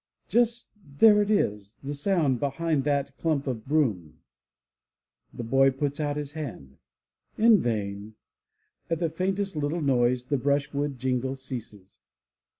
Just there it is, the sound, behind that clump of broom. The boy puts out his hand. In vain ! At the faintest little noise the brushwood jingle ceases.